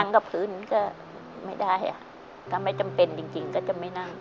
กับพื้นก็ไม่ได้ถ้าไม่จำเป็นจริงก็จะไม่นั่ง